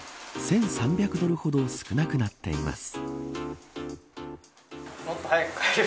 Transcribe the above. １３００ドルほど少なくなっています。